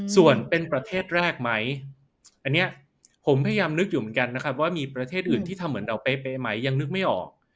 ส่วนเป็นประเทศแรกไหมอันนี้ผมพยายามนึกอยู่เหมือนกันนะครับว่ามีประเทศอื่นที่ทำเหมือนเราเป๊ะไหมยังนึกไม่ออก